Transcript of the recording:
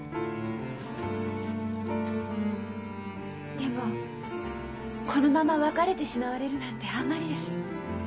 でもこのまま別れてしまわれるなんてあんまりです。